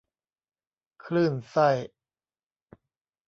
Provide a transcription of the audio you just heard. คลื่นไส้